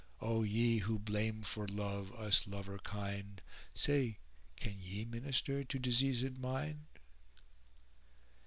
O ye who blame for love us lover kind * Say, can ye minister to diseasèd mind?